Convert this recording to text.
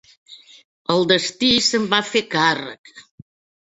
El destí se'n va fer càrrec.